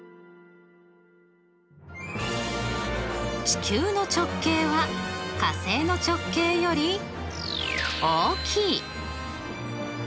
地球の直径は火星の直径より大きい。